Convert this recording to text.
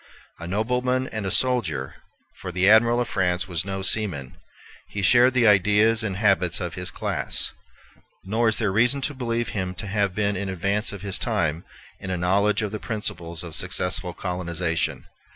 A nobleman and a soldier, for the Admiral of France was no seaman, he shared the ideas and habits of his class; nor is there reason to believe him to have been in advance of his time in a knowledge of the principles of successful colonization.